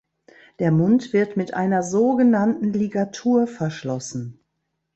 Der Mund wird mit einer so genannten Ligatur verschlossen.